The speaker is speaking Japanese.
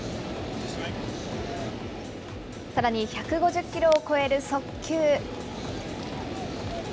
さらに１５０キロを超える速球。